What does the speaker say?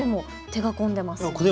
手が込んでますね。